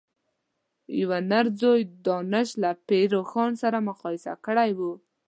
یوه نر ځوی دانش له پير روښان سره مقايسه کړی و.